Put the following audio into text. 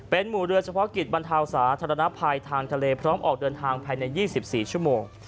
หมู่เรือเฉพาะกิจบรรเทาสาธารณภัยทางทะเลพร้อมออกเดินทางภายใน๒๔ชั่วโมง